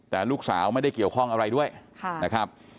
แต่ลูกสาวไม่ได้เกี่ยวข้องอะไรด้วยนะครับ